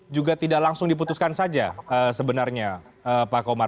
juga tidak langsung diputuskan saja sebenarnya pak komar